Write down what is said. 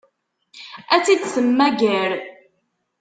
Ad tt-id-temmager?